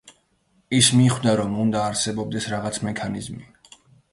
ის მიხვდა, რომ უნდა არსებობდეს რაღაც მექანიზმი.